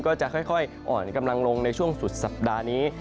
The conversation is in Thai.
ก็จะค่อยอ่อนกำลังลงในช่วงสุดสัปดาห์นี้